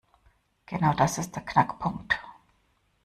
Genau das ist der Knackpunkt.